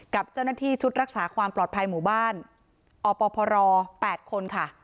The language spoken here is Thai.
กับเจ้าหน้าที่ชุดรักษาความปลอดภัยหมู่บ้านอปพร๘คนค่ะ